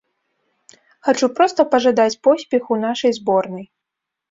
Хачу проста пажадаць поспеху нашай зборнай.